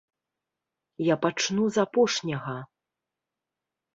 Я пачну з апошняга.